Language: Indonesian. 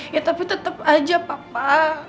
ya tapi tetap aja papa